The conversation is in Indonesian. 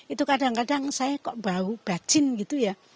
itu kadang kadang saya kok bau bacin gitu ya